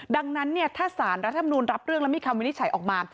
ดังนั้นถ้าสารรัฐมนุนรับเรื่องแล้วมีคำวินิจฉัยออกมา